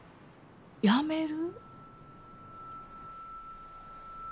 やめる？